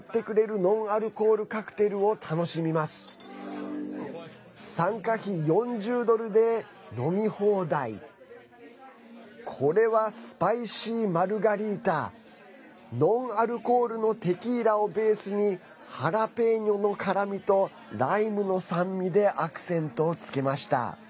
ノンアルコールのテキーラをベースにハラペーニョの辛みとライムの酸味でアクセントをつけました。